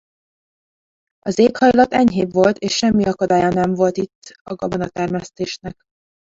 Az éghajlat enyhébb volt és semmi akadálya nem volt itt a gabonatermesztésnek.